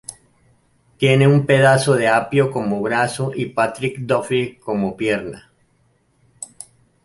Tiene un pedazo de apio como brazo y Patrick Duffy como pierna.